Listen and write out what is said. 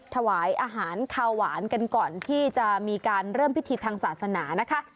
ถวายอาหารคาวหวานกันก่อนที่จะมีการเริ่มพิธีทางศาสนานะคะ